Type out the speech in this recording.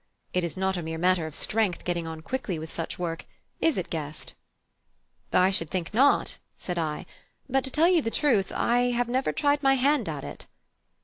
It is not a mere matter of strength getting on quickly with such work; is it, guest?" "I should think not," said I, "but to tell you the truth, I have never tried my hand at it."